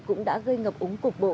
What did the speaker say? cũng đã gây ngập úng cục bộ